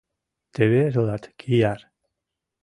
— Теве тылат кияр!